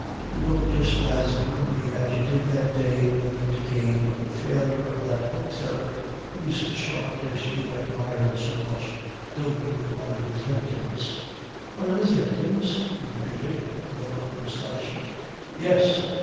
"'You look just as gloomy as you did that day when the news came of the failure of that bookseller whose sharpness you admired so much, though you were one of his victims.' "'One of his victims?' he repeated, with a look of astonishment. "'Yes.